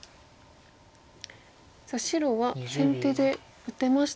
白は先手で打てましたね。